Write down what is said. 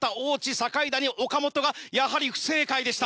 堺谷岡本がやはり不正解でした。